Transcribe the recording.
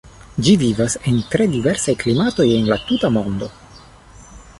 Ĝi vivas en tre diversaj klimatoj en la tuta mondo.